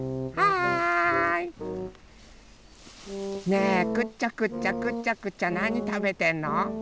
ねえくちゃくちゃくちゃくちゃなにたべてんの？